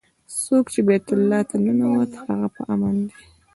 څوک چې بیت الله ته ننوت هغه په امن دی.